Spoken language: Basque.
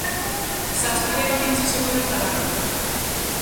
Zazpiretan itxi ziguten taberna.